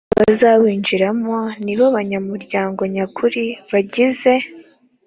bazawinjiramo nibo banyamuryango nyakuri bagize